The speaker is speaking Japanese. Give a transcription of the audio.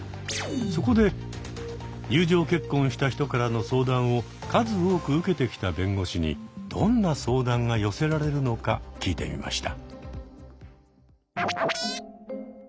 そこで友情結婚した人からの相談を数多く受けてきた弁護士にどんな相談が寄せられるのか聞いてみました。